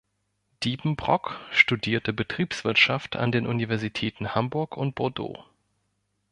Diepenbrock studierte Betriebswirtschaft an den Universitäten Hamburg und Bordeaux.